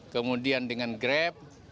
kemudian dengan grab